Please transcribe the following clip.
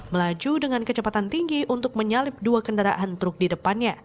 melaju dengan kecepatan tinggi untuk menyalip dua kendaraan truk di depannya